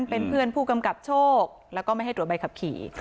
เป็นเพื่อนผู้กำกับโชคแล้วก็ไม่ให้ตรวจใบขับขี่